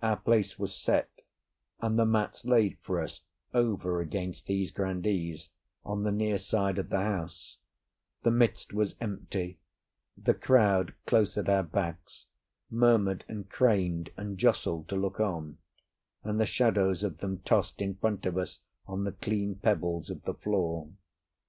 Our place was set, and the mats laid for us over against these grandees, on the near side of the house; the midst was empty; the crowd, close at our backs, murmured and craned and jostled to look on, and the shadows of them tossed in front of us on the clean pebbles of the floor.